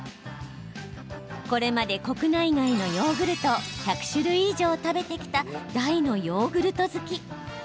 これまで国内外のヨーグルトを１００種類以上、食べてきた大のヨーグルト好き。